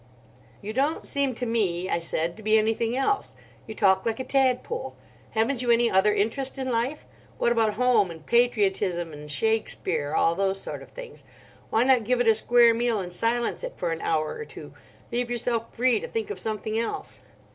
"You don't seem to me," I said, "to be anything else. You talk like a tadpole. Haven't you any other interest in life? What about home, and patriotism, and Shakespeare—all those sort of things? Why not give it a square meal, and silence it for an hour or two; leave yourself free to think of something else."